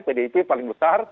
pdp paling besar